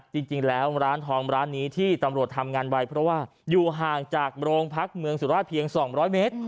จริงแล้วร้านทองร้านนี้ที่ตำรวจทำงานไว้เพราะว่าอยู่ห่างจากโรงพักเมืองสุราชเพียง๒๐๐เมตร